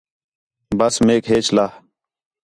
بس میک ہیچ لہہ